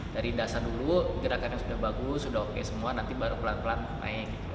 dari dasar dulu gerakan yang sudah bagus sudah oke semua nanti baru pelan pelan naik gitu loh